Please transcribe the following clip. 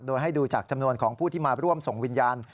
โดยให้ดูจากจำนวนของผู้ที่มาร่วมส่งวิญญาณ